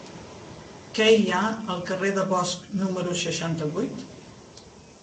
Què hi ha al carrer de Bosch número seixanta-vuit?